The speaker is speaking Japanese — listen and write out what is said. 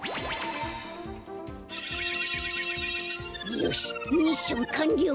よしミッションかんりょう！